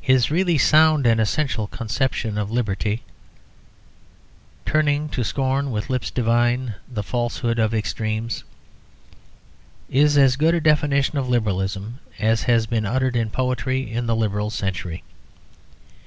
His really sound and essential conception of Liberty, "Turning to scorn with lips divine The falsehood of extremes," is as good a definition of Liberalism as has been uttered in poetry in the Liberal century.